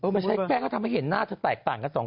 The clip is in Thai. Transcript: มันใช้แปลงก็ทำให้เห็นหน้าจะแตกต่างกัน๒ข้าง